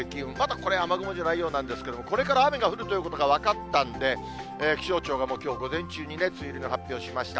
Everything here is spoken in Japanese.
これまだ雨雲じゃないようなんですけれども、これから雨が降るということが分かったんで、気象庁がもう、きょう午前中に梅雨入りの発表しました。